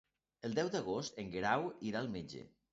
El deu d'agost en Guerau irà al metge.